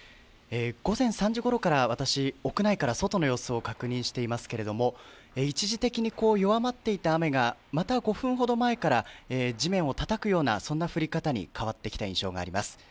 午前３時ごろから私、屋内から外の様子を確認していますけれども、一時的に弱まっていた雨が、また５分ほど前から、地面をたたくような、そんな降り方に変わってきた印象があります。